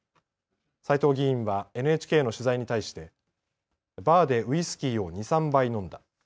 斉藤議員はＮＨＫの取材に対してバーでウイスキーを２、３杯飲んだ。